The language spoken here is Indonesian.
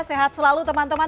sehat selalu teman teman